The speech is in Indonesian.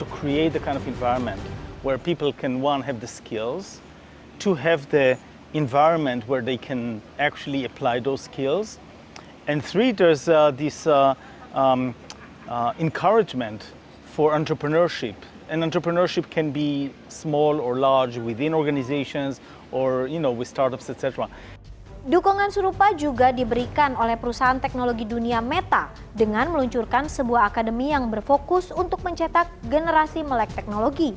konektivitas yang memandai dalam sektor teknologi menjadi salah satu kebutuhan yang harus diperlukan